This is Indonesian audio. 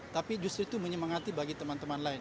tapi justru itu menyemangati bagi teman teman lain